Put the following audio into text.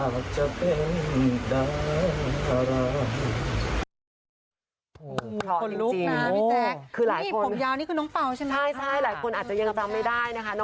ก็จะเป็นการกระพริบตาเด็ดขาดค่ะ